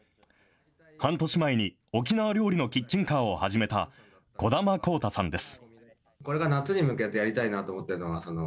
半年前に沖縄料理のキッチンカーを始めた、児玉幸太さんです。